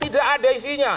tidak ada isinya